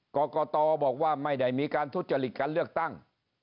กรกตบอกว่าไม่ได้มีการทุจริตการเลือกตั้ง